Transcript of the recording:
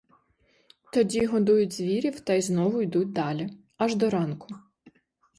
Тоді годують звірів та й знову йдуть далі, аж до ранку.